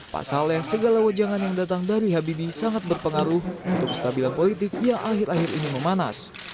pasalnya segala wajangan yang datang dari habibie sangat berpengaruh untuk stabilan politik yang akhir akhir ini memanas